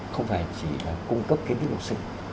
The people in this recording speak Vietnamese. không phải chỉ là cung cấp kiến thức học sinh